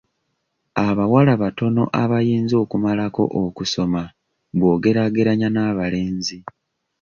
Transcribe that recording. Abawala batono abayinza okumalako okusoma bwogeraageranya n'abalenzi.